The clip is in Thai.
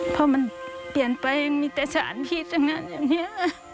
เพราะมันเปลี่ยนไปมีแต่สารผิดอย่างนี้